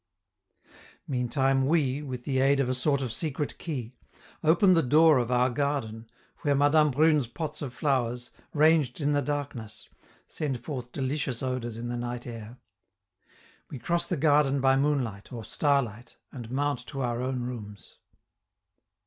Meantime, we, with the aid of a sort of secret key, open the door of our garden, where Madame Prune's pots of flowers, ranged in the darkness, send forth delicious odors in the night air. We cross the garden by moonlight or starlight, and mount to our own rooms.